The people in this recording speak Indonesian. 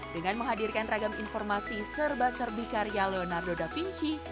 dengan menghadirkan ragam informasi serba serbi karya leonardo davinci